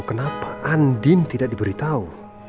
kenapa andi tidak diberitahu